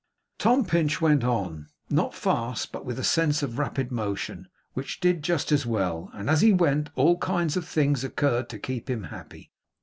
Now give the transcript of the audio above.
Tom Pinch went on; not fast, but with a sense of rapid motion, which did just as well; and as he went, all kinds of things occurred to keep him happy.